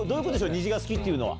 「虹が好き」っていうのは。